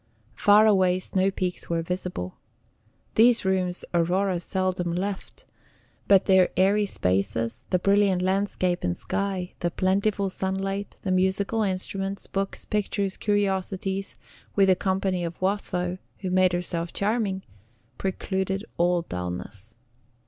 Far away snow peaks were visible. These rooms Aurora seldom left, but their airy spaces, the brilliant landscape and sky, the plentiful sunlight, the musical instruments, books, pictures, curiosities, with the company of Watho, who made herself charming, precluded all dullness.